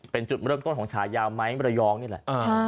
เป็นจุดเริ่มต้นของฉายาไม้มรยองนี่แหละ